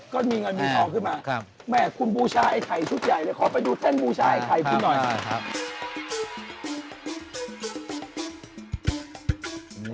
ก็มีเงินมีของขึ้นมาครับคุณบูชาไอ้ไข่ชุดใหญ่เลยครับขอไปดูแท่นบูชาไอ้ไข่คุณหน่อยครับคุณบูชาไอ้ไข่